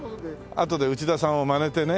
あとで内田さんをまねてね。